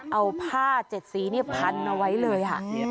เอาผ้าเจ็ดสีเนี่ยพันเอาไว้เลย